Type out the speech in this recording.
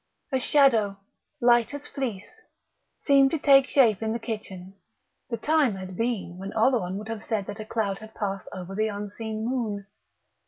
A shadow, light as fleece, seemed to take shape in the kitchen (the time had been when Oleron would have said that a cloud had passed over the unseen moon).